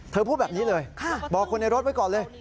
พูดแบบนี้เลยบอกคนในรถไว้ก่อนเลย